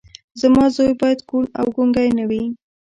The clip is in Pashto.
زما زوی بايد کوڼ او ګونګی نه وي.